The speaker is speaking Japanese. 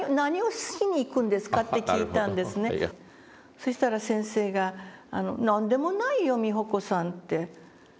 そしたら先生が「何でもないよ美穂子さん」って。